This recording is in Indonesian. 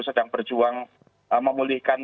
sedang berjuang memulihkan